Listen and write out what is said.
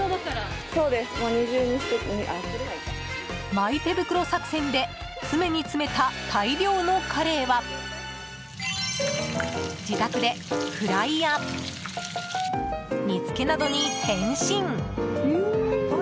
マイ手袋作戦で詰めに詰めた大量のカレイは自宅で、フライや煮つけなどに変身。